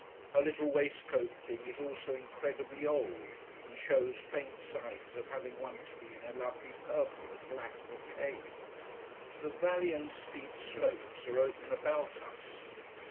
Her little waistcoat thing is also incredibly old, and shows faint signs of having once been a lovely purple and black brocade. The valley and steep slopes are open about us.